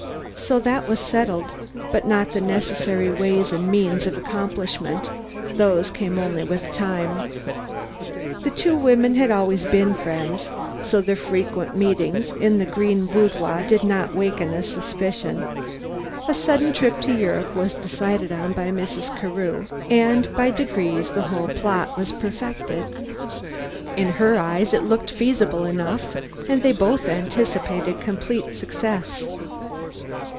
So that was settled, but not the necessary ways and means of accomplishment; those came only with time. The two women had always been friends, so their frequent meetings in the green boudoir did not waken a suspicion. A sudden trip to Europe was decided on by Mrs. Carew and by degrees the whole plot perfected. In her eyes it looked feasible enough and they both anticipated complete success.